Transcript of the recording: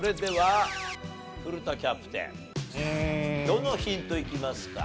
どのヒントいきますか？